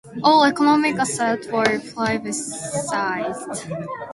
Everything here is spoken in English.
All economic assets were privatised.